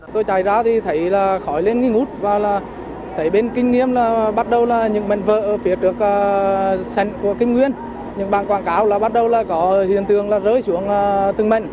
tôi chạy ra thì thấy khói lên như ngút và thấy bên kinh nghiệm là bắt đầu những mệnh vợ ở phía trước sàn của kim nguyên những bàn quảng cáo bắt đầu có hiện tượng rơi xuống từng mệnh